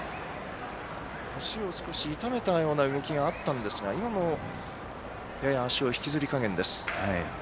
足を少し痛めたような動きがあったんですが今もやや足を引きずり加減です。